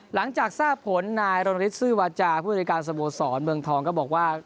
หลังจากทราบผลนายรณฤทธซื้อวาจาผู้บริการสโมสรเมืองทองก็บอกว่า